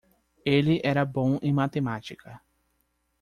Ele era bom em matemática.